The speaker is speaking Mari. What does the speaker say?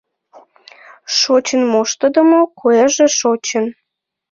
Шочын моштыдымо куэже шочын